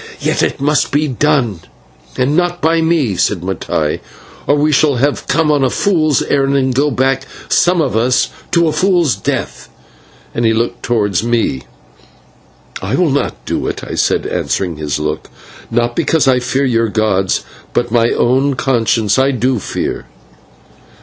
"Yet it must be done, and not by me," said Mattai, "or we shall have come on a fool's errand, and go back, some of us, to a fool's death," and he looked towards me. "I will not do it," I said, answering his look, "not because I fear your gods, but my own conscience I do fear."